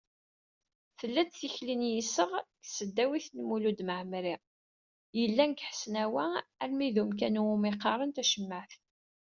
Tella-d tikli n yiseɣ seg tesdawit n Mulud Mɛemmeri, yellan deg Ḥesnawa almi d umkan iwumi qqaren Tacemmaɛt.